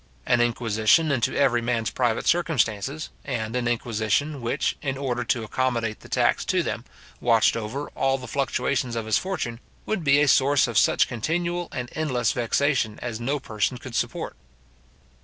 An inquisition into every man's private circumstances, and an inquisition which, in order to accommodate the tax to them, watched over all the fluctuations of his fortune, would be a source of such continual and endless vexation as no person could support.